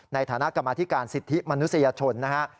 ในฐานะกรรมธิการสิทธิมนุษยชนนะฮะ